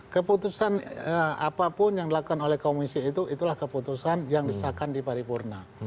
keputusan apapun yang dilakukan oleh komisi itu itulah keputusan yang disahkan di paripurna